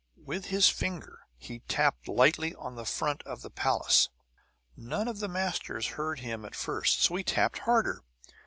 "With his finger he tapped lightly on the front of the palace. None of the masters heard him at first; so he tapped harder.